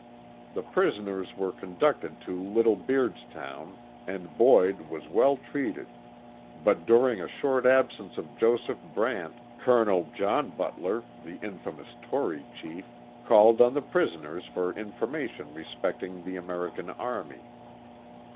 The prisoners were conducted to Little Beards town, and Boyd was well treated; but during a short absence of Joseph Brant, Col. John Butler — the infamous Tory chief — called on the prisoners for information respecting the American army.